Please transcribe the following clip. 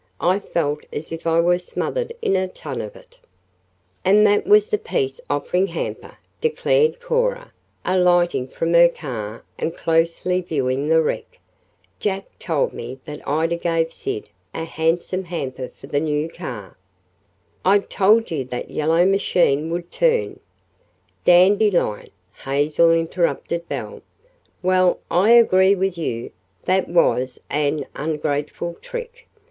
"I felt as if I were smothered in a ton of it." "And that was the peace offering hamper," declared Cora, alighting from her car and closely viewing the wreck. "Jack told me that Ida gave Sid a handsome hamper for the new car." "I told you that the yellow machine would turn " "Dandelion," Hazel interrupted Belle. "Well, I agree with you that was an ungrateful trick.